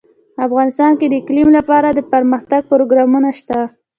افغانستان کې د اقلیم لپاره دپرمختیا پروګرامونه شته.